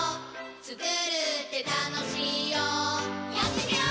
つくるってたのしいよやってみよー！